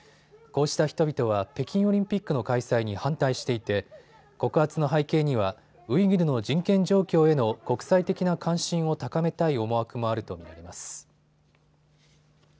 こうした人々は北京オリンピックの開催に反対していて告発の背景にはウイグルの人権状況への国際的な関心を高めたい思惑もあると見ています。